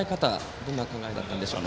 どんな考えだったんでしょうか。